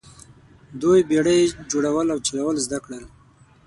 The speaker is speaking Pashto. دوی بیړۍ جوړول او چلول زده کړل.